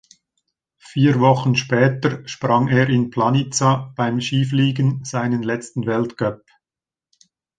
Vier Wochen später sprang er in Planica beim Skifliegen seinen letzten Weltcup.